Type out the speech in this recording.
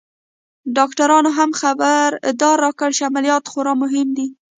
ډاکترانو هم خبرداری راکړ چې عمليات خورا مهم دی.